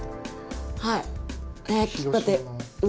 はい。